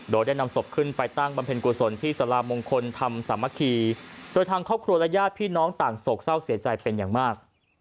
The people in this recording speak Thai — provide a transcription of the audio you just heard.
โดยได้นำศพขึ้นไปตั้งบำเพ็ญกุศลที่สลามงคลธรรมสามัคคีโดยทางครอบครัวและญาติพี่น้องต่างโศกเศร้าเสียใจเป็นอย่างมาก